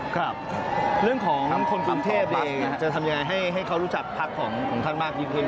ครับเรื่องของคนกรุงเทพเราจะทำยังไงให้เขารู้จักพักของท่านมากยิ่งขึ้น